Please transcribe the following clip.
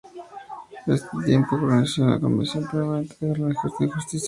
En este tiempo perteneció a la Comisión permanente de Legislación y Justicia.